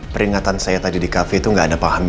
peringatan saya tadi di cafe itu nggak ada paham